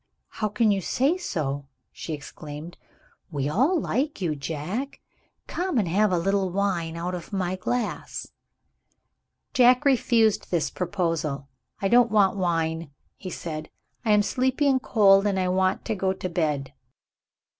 "How can you say so?" she exclaimed. "We all like you, Jack. Come and have a little wine, out of my glass." Jack refused this proposal. "I don't want wine," he said; "I am sleepy and cold I want to go to bed."